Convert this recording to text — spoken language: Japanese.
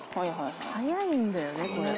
「早いんだよねこれ」